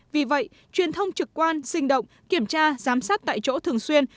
vì vậy truyền thông trực quan sinh động kiểm tra giám sát tại chỗ thường xuyên